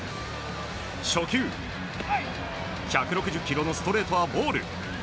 初球、１６０キロのストレートはボール。